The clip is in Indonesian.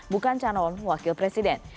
bukan calon wakil presiden